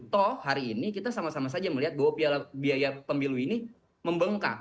toh hari ini kita sama sama saja melihat bahwa biaya pemilu ini membengkak